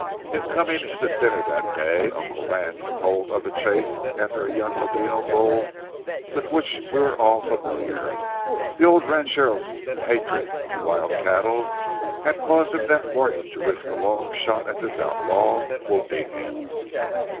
In coming in to dinner that day, Uncle Lance told of the chase after a young ladino bull with which we were all familiar. The old ranchero's hatred to wild cattle had caused him that morning to risk a long shot at this outlaw, wounding him.